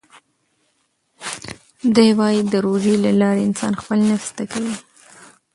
ده وايي چې د روژې له لارې انسان خپل نفس زده کوي.